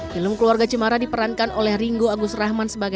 film keluarga cemara diperankan oleh ringo agus rahman sebagai